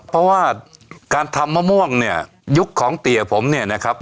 เพราะว่าการทำมะม่วงเนี่ยยุคของเตี๋ยผมเนี่ยนะครับ